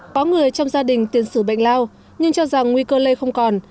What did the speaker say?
có người trong gia đình tiên xử bệnh lao nhưng cho rằng nguy cơ lây không còn